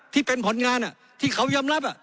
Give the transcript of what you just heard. ที่เป็นผลงานอ่ะที่เขายำลับอ่ะ